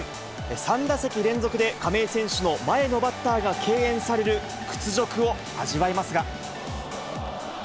３打席連続で亀井選手の前のバッターが敬遠される屈辱を味わいますが。